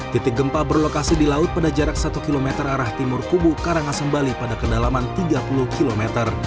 titik gempa berlokasi di laut pada jarak satu km arah timur kubu karangasem bali pada kedalaman tiga puluh km